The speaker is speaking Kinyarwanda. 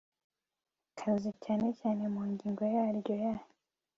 kazi cyane cyane mu ngingo yaryo ya